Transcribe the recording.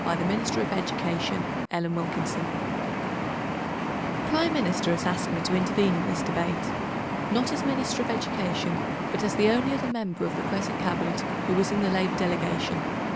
§ The Minister of Education (Miss Wilkinson) The Prime Minister has asked me to intervene in this Debate, not as Minister of Education, but as the only other member of the present Cabinet who was in the Labour delegation.